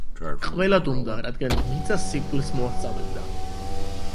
ყველა დუმდა, რადგან მიწა სიკვდილს მოასწავებდა.